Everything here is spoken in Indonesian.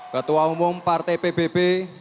ketua umum partai pbb